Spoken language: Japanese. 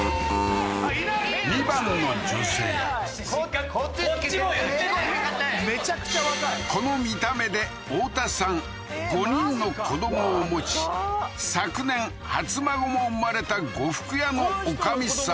２番の女性こっちつけてってこっちもこの見た目で大田さん５人の子どもを持ち昨年初孫も生まれた呉服屋の女将さん